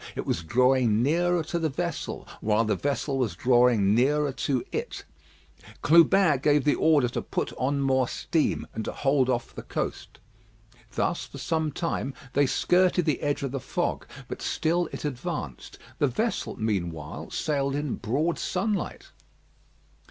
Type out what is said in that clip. It was drawing nearer to the vessel, while the vessel was drawing nearer to it. Clubin gave the order to put on more steam, and to hold off the coast. Thus for some time they skirted the edge of the fog; but still it advanced. The vessel, meanwhile, sailed in broad sunlight.